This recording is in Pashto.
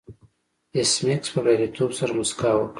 ایس میکس په بریالیتوب سره موسکا وکړه